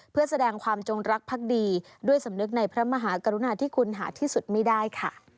เพื่อแสดงความจงรักภักดีด้วยสำนึกในพระมหากรุณาที่คุณหาที่สุดไม่ได้ค่ะ